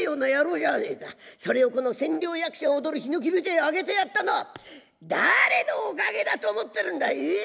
それをこの千両役者踊る檜舞台へ上げてやったのは誰のおかげだと思ってるんだいええ。